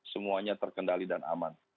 semuanya terkendali dan aman